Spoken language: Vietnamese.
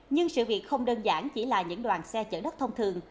nhưng sự việc không đơn giản chỉ là những đoàn xe chở đất thông thường